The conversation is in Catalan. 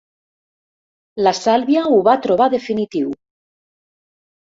La Sàlvia ho va trobar definitiu.